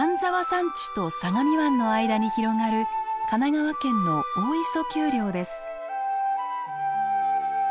山地と相模湾の間に広がる神奈川県の大磯丘陵です。